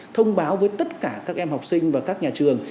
thông báo với tất cả các em học sinh và các nhà trường